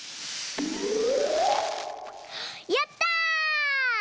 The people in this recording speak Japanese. やった！